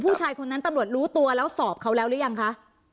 ผู้ชายคนนั้นตำรวจรู้ตัวแล้วสอบเขาแล้วหรือยังคะ